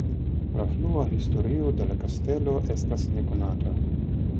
La frua historio de la kastelo estas nekonata.